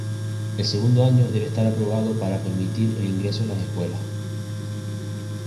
El segundo año debe estar aprobado para permitir el ingreso en las escuelas.